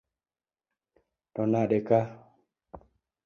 To nade ka